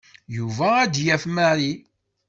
Yuba ad d-yaf Mary.